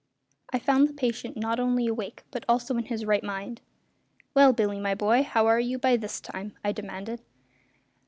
I found the patient not only awake but also in his right mind. "Well, Billy, my boy, how are you by this time?" I demanded.